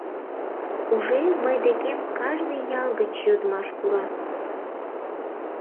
Уже мый декем кажне ял гыч йодмаш пура.